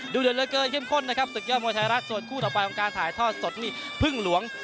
ดูเดือดเหลือเกินเข้มข้นนะครับศึกยอดมวยไทยรัฐส่วนคู่ต่อไปของการถ่ายทอดสดนี่พึ่งหลวง